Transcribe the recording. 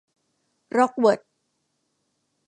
ร้อกเวิธ